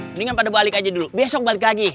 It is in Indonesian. mendingan pada balik aja dulu besok balik lagi